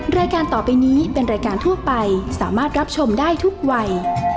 รายการต่อไปนี้เป็นรายการทั่วไปสามารถรับชมได้ทุกวัย